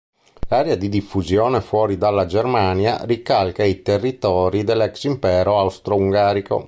L'area di diffusione fuori dalla Germania ricalca i territori dell'ex Impero Austroungarico.